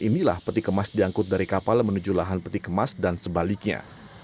inilah peti kemas diangkut dari kapal menuju lahan peti kemas dan sebaliknya